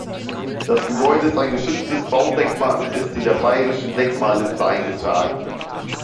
Das Gebäude ist ein geschütztes Baudenkmal und ist in der Bayerischen Denkmalliste eingetragen.